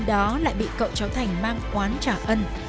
đó lại bị cậu cháu thành mang quán trả ân